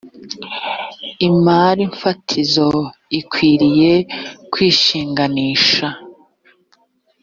imari fatizo ikwiriye kwishinganisha.